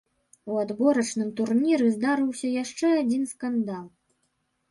У адборачным турніры здарыўся яшчэ адзін скандал.